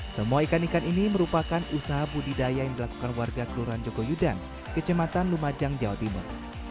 semua ikan ikan ini merupakan usaha budidaya yang dilakukan warga kelurahan jogoyudan kecematan lumajang jawa timur